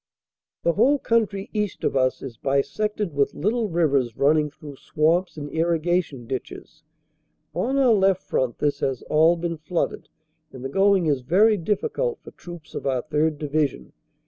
The whole country east of us is bisected with little rivers running through swamps and irrigation ditches. On our left front this has all been flooded and the going is very difficult for troops of our 3rd. Division.